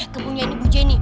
kebunyian ibu jenny